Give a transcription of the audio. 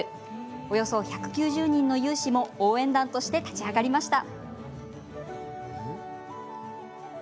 およそ１９０人の有志も応援団として立ち上がりました。